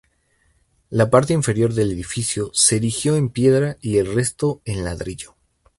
La parte inferior del edificio se erigió en piedra y el resto en ladrillo.